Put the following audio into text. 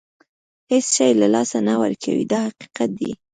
هېڅ شی له لاسه نه ورکوي دا حقیقت دی.